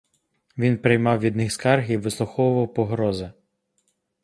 Він приймав від них скарги й вислуховував погрози.